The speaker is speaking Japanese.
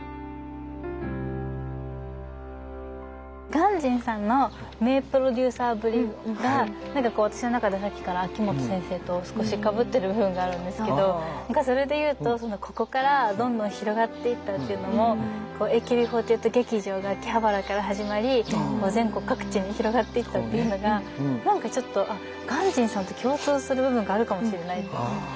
鑑真さんの名プロデューサーぶりが何かこう私の中でさっきから秋元先生と少しかぶってる部分があるんですけどそれでいうとここからどんどん広がっていったっていうのもＡＫＢ４８劇場が秋葉原から始まり全国各地に広がっていったっていうのが何かちょっと鑑真さんと共通する部分があるかもしれないって。